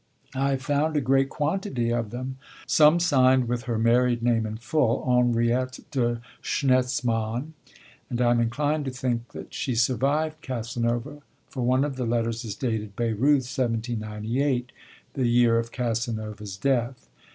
I have found a great quantity of them, some signed with her married name in full, 'Henriette de Schnetzmann,' and I am inclined to think that she survived Casanova, for one of the letters is dated Bayreuth, 1798, the year of Casanova's death.